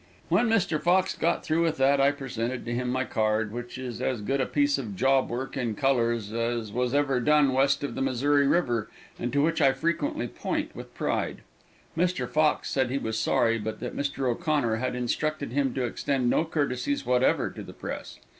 When Mr. Fox got through with that I presented to him my card, which is as good a piece of job work in colors as was ever done west of the Missouri river, and to which I frequently point with pride. Mr. Fox said he was sorry, but that Mr. O'Connor had instructed him to extend no courtesies whatever to the press.